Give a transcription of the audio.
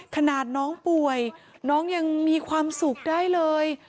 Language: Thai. ขนาดน้องป่วยน้องยังมีความสุขได้เลย